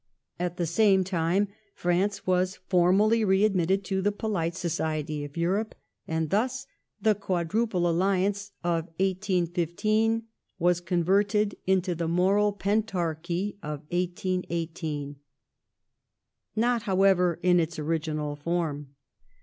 ^ At the same time I : France was formally readmitted to the polite society of Europe, I ;and thus the QuadiTiple Alliance of 1815 was converted into the I" Moral Pentarchy " of 1818. Not, however, in its original form.